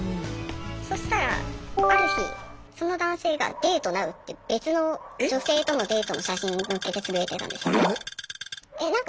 そしたらある日その男性が「デートなう」って別の女性とのデートの写真載っけてつぶやいてたんですよ。